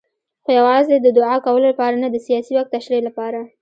خو یوازې د دوعا کولو لپاره نه د سیاسي واک تشریح لپاره.